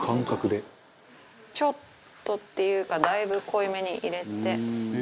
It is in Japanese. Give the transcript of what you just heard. ちょっとっていうかだいぶ濃いめに入れて。